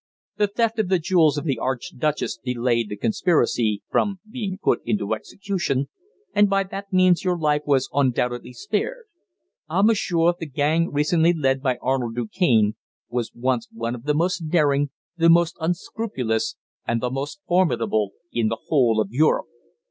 The theft of the jewels of the Archduchess delayed the conspiracy from being put into execution, and by that means your life was undoubtedly spared. Ah! monsieur, the gang recently led by Arnold Du Cane was once one of the most daring, the most unscrupulous, and the most formidable in the whole of Europe."